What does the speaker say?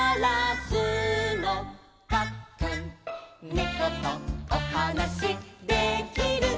「ねことおはなしできる」